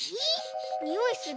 においする？